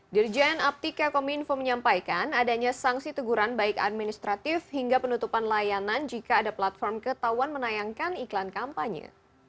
dirjen aptika kominfo menyampaikan adanya sanksi teguran baik administratif hingga penutupan layanan jika ada platform ketahuan menayangkan iklan kampanye